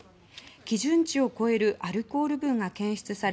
基準値を超えるアルコール分が検出され